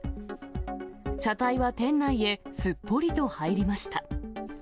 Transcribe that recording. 車体は店内へすっぽりと入りました。